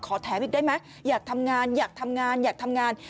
แถมอีกได้ไหมอยากทำงานอยากทำงานอยากทำงาน